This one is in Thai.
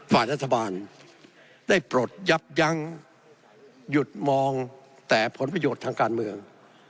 ฝ่ายรัฐบาลได้ปลดยับยั้งหยุดมองแต่ผลประโยชน์ทางการเมือง